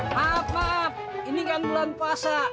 maaf maaf ini kan bulan puasa